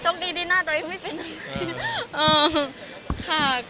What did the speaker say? ดีที่หน้าตัวเองไม่เป็นอะไร